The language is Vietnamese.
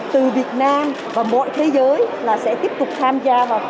từ việt nam và mọi thế giới là sẽ tiếp tục tham gia vào cái cuộc